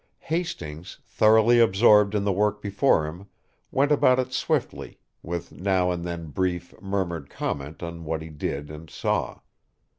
Hastings, thoroughly absorbed in the work before him, went about it swiftly, with now and then brief, murmured comment on what he did and saw.